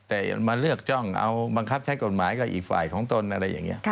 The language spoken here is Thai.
แต่มาเลือกจ้องเอาบังคับใช้กฎหมายกับอีกฝ่ายของตนอะไรอย่างนี้